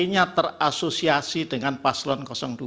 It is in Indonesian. intinya terasosiasi dengan paslon dua